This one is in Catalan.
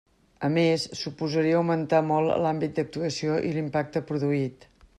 A més, suposaria augmentar molt l'àmbit d'actuació i l'impacte produït.